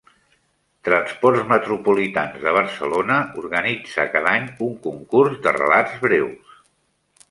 Transports Metropolitans de Barcelona organitza cada any un concurs de relats breus.